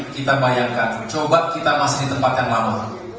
kita bayangkan coba kita masih di tempat yang lama